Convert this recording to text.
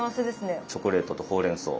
チョコレートとほうれんそう。